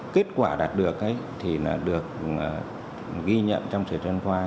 kết quả đạt được thì được ghi nhận trong thời gian qua